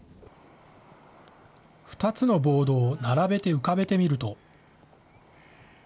２つのボードを並べて浮かべてみると。